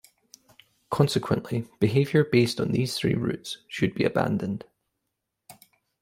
Consequently, behaviour based on these three roots should be abandoned.